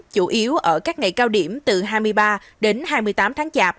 chủ yếu ở các ngày cao điểm từ hai mươi ba đến hai mươi tám tháng chạp